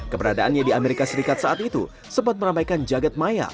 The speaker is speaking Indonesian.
keberadaannya di amerika serikat saat itu sempat meramaikan jagad maya